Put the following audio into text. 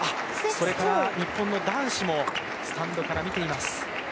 日本の男子もスタンドから見ています。